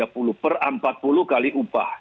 tiga puluh per empat puluh kali upah